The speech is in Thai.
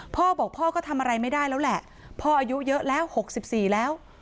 พ่อบอกพ่อก็ทำอะไรไม่ได้แล้วแหละพ่ออายุเยอะแล้ว๖๔แล้ว